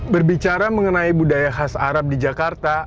berbicara mengenai budaya khas arab di jakarta